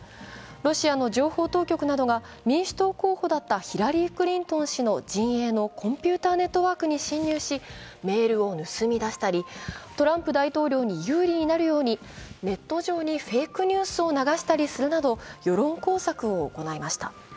ロシアの情報当局などが民主党候補だったヒラリー・クリントン氏の陣営のコンピュータネットワークに侵入しメールを盗み出したりトランプ大統領に有利になるようにネット上にフェイクニュースを流したりするなど、世論工作を行いました。